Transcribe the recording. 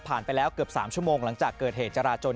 ไปแล้วเกือบ๓ชั่วโมงหลังจากเกิดเหตุจราจน